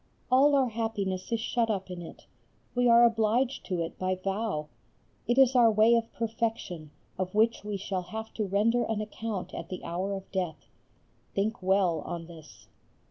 All our happiness is shut up in it. We are obliged to it by vow. It is our way of perfection of which we shall have to render an account at the hour of death. Think well on this.